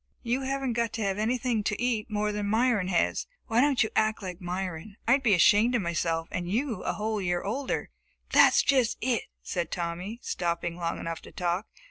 "You haven't got to have anything to eat any more than Myron has. Why don't you act like Myron? I'd be ashamed of myself, and you a whole year older!" "That's just it!" said Tommy, stopping long enough to talk.